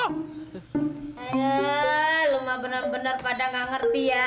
aduh lu mah benar benar pada nggak ngerti ya